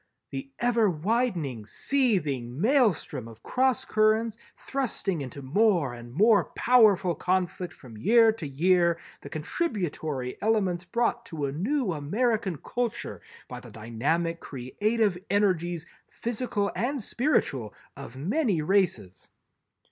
"_The ever widening seething maelstrom of cross currents thrusting into more and more powerful conflict from year to year the contributory elements brought to a new American culture by the dynamic creative energies, physical and spiritual, of many races_."